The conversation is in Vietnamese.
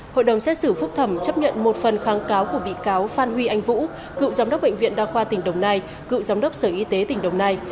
hội đồng xét xử phúc thẩm chấp nhận một phần kháng cáo của bị cáo phan huy anh vũ cựu giám đốc bệnh viện đa khoa tỉnh đồng nai cựu giám đốc sở y tế tỉnh đồng nai